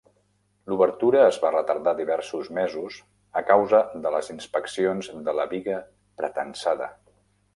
L'obertura es va retardar diversos mesos a causa de les "inspeccions de la biga pretensada".